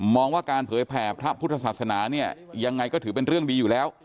ว่าการเผยแผ่พระพุทธศาสนาเนี่ยยังไงก็ถือเป็นเรื่องดีอยู่แล้ว